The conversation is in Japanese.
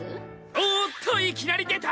おっといきなり出た！